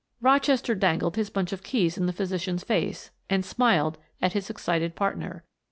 Rochester dangled his bunch of keys in the physician's face and smiled at his excited partner.